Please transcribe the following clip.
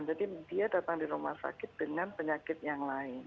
jadi dia datang di rumah sakit dengan penyakit yang lain